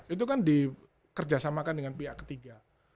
itu kan dikerjasamakan dengan pihak ketiga